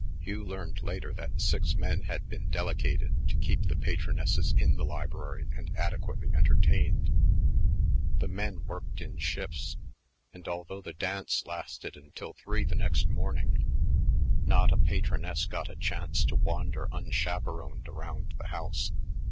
Hugh learned later that six men had been delegated to keep the patronesses in the library and adequately entertained. The men worked in shifts, and although the dance lasted until three the next morning, not a patroness got a chance to wander unchaperoned around the house.